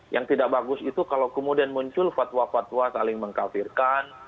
yang tidak bagus itu kalau kemudian muncul fatwa fatwa saling mengkafirkan